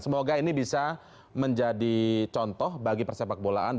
semoga ini bisa menjadi contoh bagi persepak bolaan